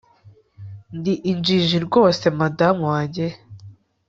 Ndi injiji rwose Madamu wanjye